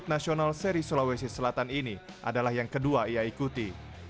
dari empat bersaudara ini sirkuit nasional seri sulawesi selatan ini adalah yang kedua ia ikuti